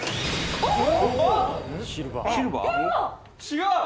「違う！」